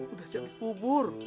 udah jadi kubur